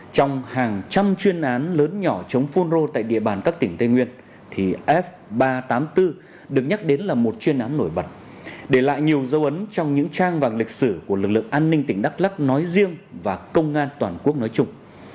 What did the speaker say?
trong hàng trăm chuyên án lớn nhỏ chống phun rô tại địa bàn các tỉnh tây nguyên thì f ba trăm tám mươi bốn được nhắc đến là một chuyên án nổi bật để lại nhiều dấu ấn trong những trang vàng lịch sử của lực lượng an ninh tỉnh đắk lắc nói riêng và công an toàn quốc nói chung